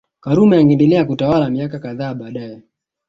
Karume angeendelea kutawala miaka kadhaa baadae